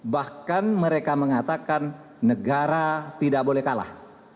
bahkan mereka mengatakan negara tidak boleh kalah